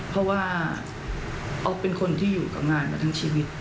เพราะว่าอ๊อฟเป็นคนที่อยู่กับงานมาทั้งชีวิต